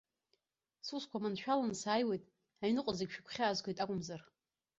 Сусқәа маншәаланы сааиуеит, аҩныҟа зегьы шәыгәхьаазгоит акәымзар.